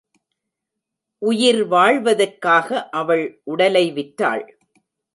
உயிர் வாழ்வதற்காக அவள் உடலை விற்றாள்.